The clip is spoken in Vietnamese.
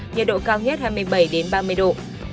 nhiệt độ cao nhất hai mươi bảy ba mươi độ